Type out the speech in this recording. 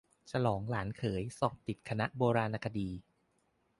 ฉลองหลานเขยสอบติดคณะโบราณคดี